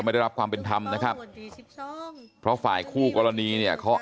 ไม่ได้รับความเป็นธรรมนะครับเพราะฝ่ายคู่กรณีเนี่ยเขา